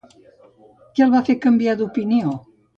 Què el va fer canviar d'opinió?